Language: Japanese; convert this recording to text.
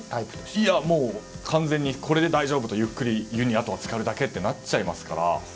いや、もう完全にこれで大丈夫と、ゆっくりあとはつかるだけってなっちゃいますから。